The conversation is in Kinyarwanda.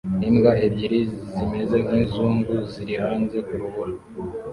Imbwa ebyiri zimeze nkizungu ziri hanze kurubura